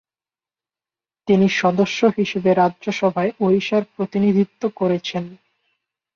তিনি সদস্য হিসাবে রাজ্যসভায় ওড়িশার প্রতিনিধিত্ব করেছেন।